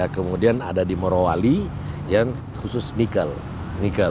kemudian ada di morowali yang khusus nikel